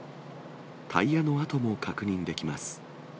タイヤの跡も確認できます。